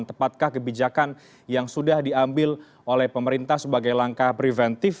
tepatkah kebijakan yang sudah diambil oleh pemerintah sebagai langkah preventif